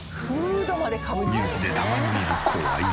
ニュースでたまに見る怖い人。